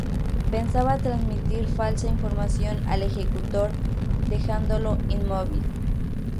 Pensaba transmitir falsa información al ejecutor, dejándolo inmóvil.